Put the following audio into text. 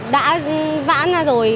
đã vãn ra rồi